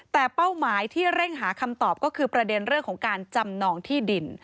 แต่เป้าหมายที่เร่งหาคำตอบก็คือประเด็นเรื่องของการจำนองที่ดิน